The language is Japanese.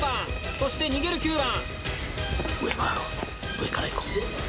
そして逃げる９番。